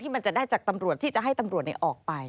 มันจะได้จากตำรวจที่จะให้ตำรวจออกไป